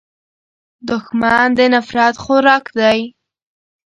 دښمن د نفرت خوراک دی